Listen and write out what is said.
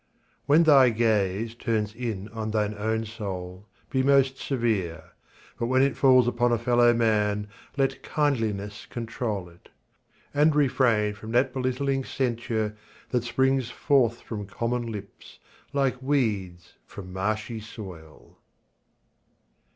When thy gaze Turns in on thine own soul, be most severe. But when it falls upon a fellow man Let kindliness control it; and refrain From that belittling censure that springs forth From common lips like weeds from marshy soil.